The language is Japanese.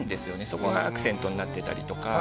そこがアクセントになってたりとか。